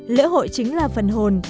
lễ hội chính là phần hồn